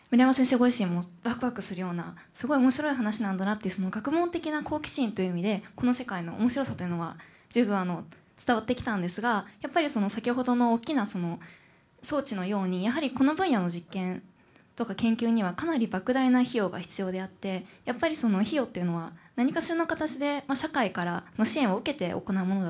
ご自身もワクワクするようなすごい面白い話なんだなっていう学問的な好奇心という意味でこの世界の面白さというのは十分伝わってきたんですがやっぱり先ほどの大きな装置のようにやはりこの分野の実験とか研究にはかなり莫大な費用が必要であってやっぱりその費用っていうのは何かしらの形で社会からの支援を受けて行うものだと思います。